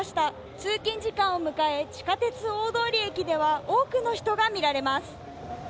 通勤時間を迎え、地下鉄大通駅では、多くの人が見られます。